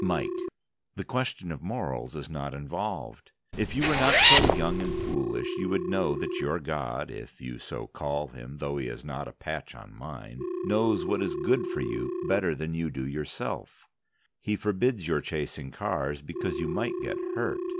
MIKE: The question of morals is not involved. If you were not so young and foolish you would know that your God (if you so call Him, though He is not a patch on mine) knows what is good for you better than you do yourself. He forbids your chasing cars because you might get hurt.